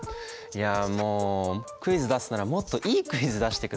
いやもうクイズ出すならもっといいクイズ出してくださいよ。